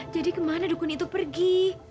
jadi kemana dukun itu pergi